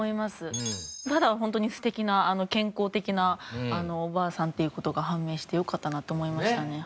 ただホントに素敵な健康的なおばあさんっていう事が判明してよかったなと思いましたね。